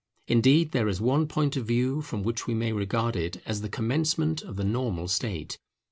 Indeed, there is one point of view from which we may regard it as the commencement of the normal state.